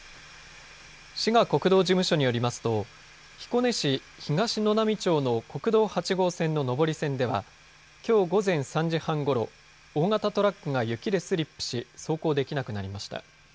滋賀国道事務所によりますと彦根市東沼波町の国道８号線の上り線ではきょう午前３時半ごろ、大型トラックが雪でスリップし走行できなくなりました。